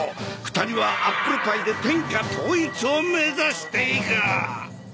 ２人はアップルパイで天下統一を目指していく！